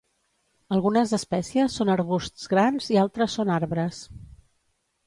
Algunes espècies són arbusts grans i altres són arbres.